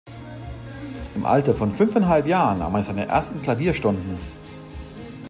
Im Alter von fünfeinhalb Jahren nahm er seine ersten Klavierstunden.